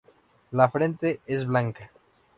La frente es blanca.